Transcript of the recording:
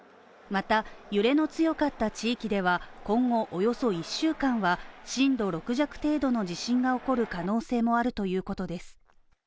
また、揺れの強かった地域では今後およそ１週間は震度６弱程度の地震が起こる可能性もあるということです。